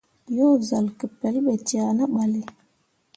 Yo zal ke pelɓe cea ne ɓalle.